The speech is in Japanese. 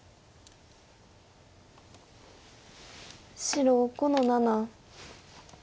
白５の七。